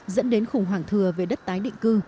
dẫn đến khủng hoảng thừa về đất tái định cư